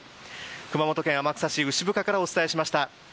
熊本県天草市牛深からお伝えしました。